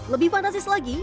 lebih fantasis lagi